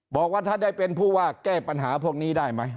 บอกว่าถ้าได้เป็นผู้ว่าแก้ปัญหาพวกนี้ได้ไหม